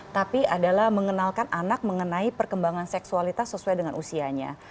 tapi adalah mengenalkan anak mengenai perkembangan seksualitas sesuai dengan usianya